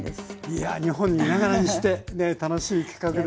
いや日本にいながらにして楽しい企画ですよね。